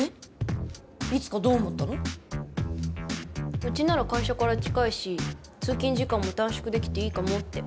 うちなら会社から近いし通勤時間も短縮できていいかもって。